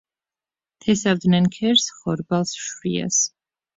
თესავდნენ ქერს, ხორბალს, შვრიას.